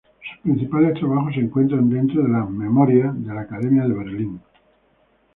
Sus principales trabajos se encuentran dentro de las "Memorias" de la Academia de Berlín.